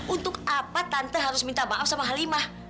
untuk apa tante harus minta maaf sama halimah